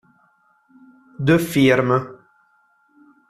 The Firm